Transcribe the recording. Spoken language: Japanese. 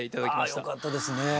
あよかったですね。